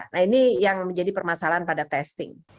nah ini yang menjadi permasalahan pada testing